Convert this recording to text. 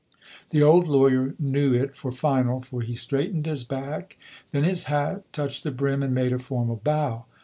The old lawyer knew it for final, for he straightened his back, then his hat, touched the brim and made a formal bow.